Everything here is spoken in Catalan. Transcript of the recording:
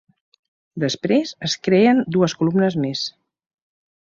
Després, es creen dues columnes més.